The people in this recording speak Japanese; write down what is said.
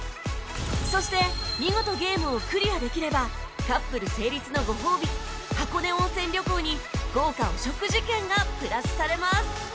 そして見事ゲームをクリアできればカップル成立のご褒美箱根温泉旅行に豪華お食事券がプラスされます